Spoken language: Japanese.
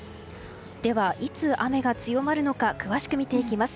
では、いつ雨が強まるのか詳しく見ていきます。